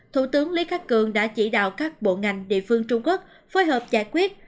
thủ tướng lý khắc cường đã chỉ đạo các bộ ngành địa phương trung quốc phối hợp giải quyết